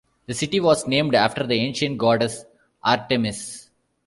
The city was named after the ancient goddess Artemis.